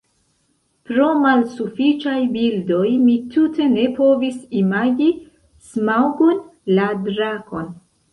Pro malsufiĉaj bildoj mi tute ne povis imagi Smaŭgon, la drakon.